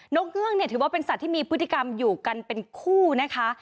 กเงื้องเนี่ยถือว่าเป็นสัตว์ที่มีพฤติกรรมอยู่กันเป็นคู่นะคะ